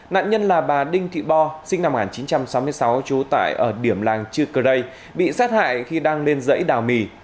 nạn nhân là bà đinh thị bo sinh năm một nghìn chín trăm sáu mươi sáu trú tại ở điểm làng chư cơ rây bị sát hại khi đang lên dãy đào mì